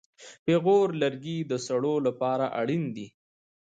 پېغور لرګی د سړو لپاره اړین دی.